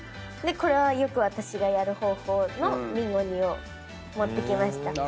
これはよく私がやる方法のりんご煮を持ってきました。